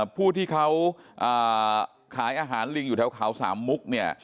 ผู้ที่เขาขายอาหารลิงอยู่แถวเขาสามมุกเนี่ย